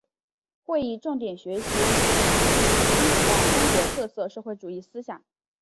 会议重点学习领会习近平新时代中国特色社会主义思想